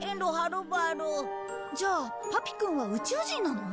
じゃあパピくんは宇宙人なの？